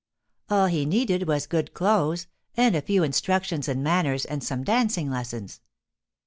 All he needed was good clothes and a few instructions in manners and some dancing lessons.